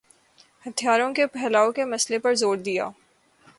ہتھیاروں کے پھیلاؤ کے مسئلے پر زور دیا